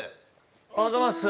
おはようございます。